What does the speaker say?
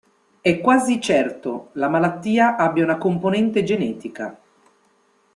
È quasi certo la malattia abbia una componente genetica.